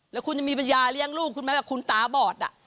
แล้วคุณจะมีบรรยาเลี้ยงลูกคุณแม่ว่าคุณตาบอด